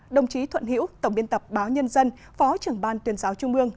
đồng chí thuận hiễu tổng biên tập báo nhân dân phó trưởng ban tuyên giáo trung mương